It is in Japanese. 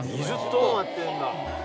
２０棟もやってんだ。